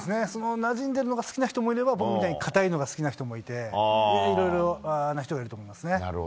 そのなじんでいるのが好きな人もいれば僕みたいに硬いのが好きなのもいればいろいろな人がいると思います。